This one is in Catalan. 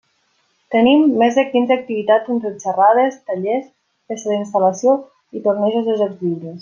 Tenim més de quinze activitats entre xerrades, tallers, festa d'instal·lació i tornejos de jocs lliures.